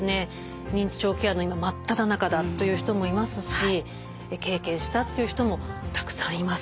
認知症ケアの今真っただ中だという人もいますし経験したという人もたくさんいます。